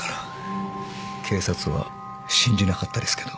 警察は信じなかったですけど。